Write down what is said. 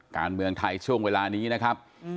การเมืองไทยช่วงเวลานี้นะครับ